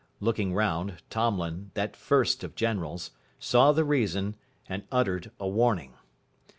Looking round, Tomlin, that first of generals, saw the reason, and uttered a warning.